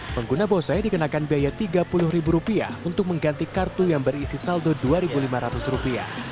pengguna bose dikenakan biaya rp tiga puluh untuk mengganti kartu yang berisi saldo rp dua lima ratus